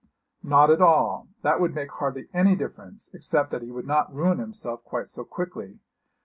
'Not at all. That would make hardly any difference, except that he would not ruin himself quite so quickly.